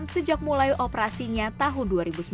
sejak mulai operasinya tahun dua ribu sembilan belas